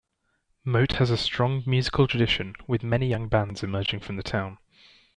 Moate has a strong musical tradition with many young bands emerging from the town.